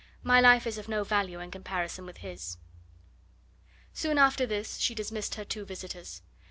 "My life is of no value in comparison with his." Soon after this she dismissed her two visitors.